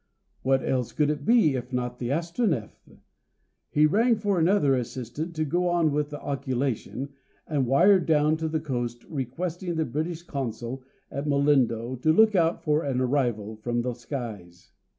What else could it be if not the Astronef? He rang for another assistant to go on with the occultation, and wired down to the coast requesting the British Consul at Mollendo to look out for an arrival from the skies.